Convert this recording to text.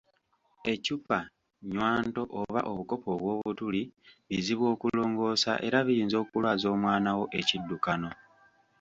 Eccupa, nnywanto oba obukopo obw'obutuli, bizibu okulongoosa era biyinza okulwaza omwana wo ekiddukano.